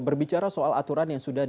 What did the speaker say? berbicara soal aturan yang sudah